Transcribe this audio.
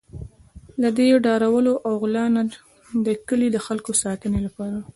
دی له داړلو او غلا نه د کلي د خلکو ساتنې لپاره.